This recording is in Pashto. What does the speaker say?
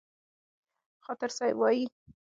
خاطر صاحب وايي: